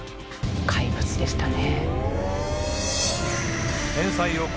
怪物でしたね。